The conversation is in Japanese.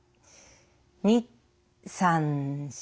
２３４。